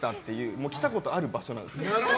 もう来たことある場所なんです。